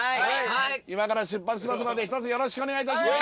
今から出発しますのでひとつよろしくお願いいたします。